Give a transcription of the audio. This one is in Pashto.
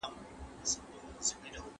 زه مخکي مېوې خوړلي وه،